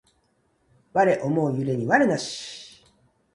我思う故に我なし